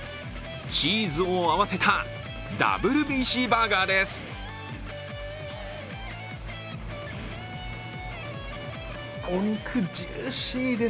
チーズを合わせたＷＢＣバーガーです